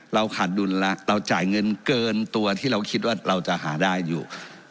ขาดดุลแล้วเราจ่ายเงินเกินตัวที่เราคิดว่าเราจะหาได้อยู่